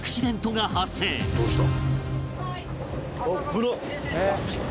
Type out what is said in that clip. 「どうした？」